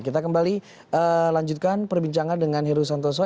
kita kembali lanjutkan perbincangan dengan heru santoso